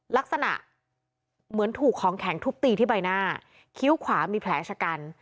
ลักษณะเหมือนถูกของแข็งทุบตีที่ใบหน้าคิ้วขวามีแผลชะกัน